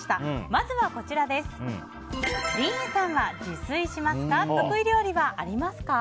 まずはディーンさんは自炊しますか？